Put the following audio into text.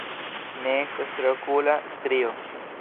Ne estas traokula strio.